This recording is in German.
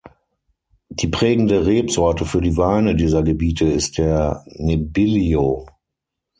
Die prägende Rebsorte für die Weine dieser Gebiete ist der Nebbiolo.